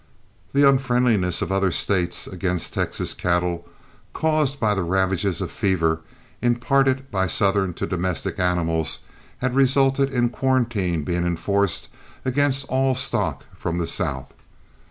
The unfriendliness of other States against Texas cattle, caused by the ravages of fever imparted by southern to domestic animals, had resulted in quarantine being enforced against all stock from the South.